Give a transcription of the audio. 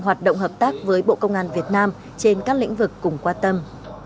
hoạt động hợp tác với bộ công an việt nam trên các lĩnh vực cùng quan tâm